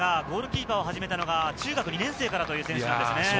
ゴールキーパーを始めたのが中学２年生からという選手なんですね。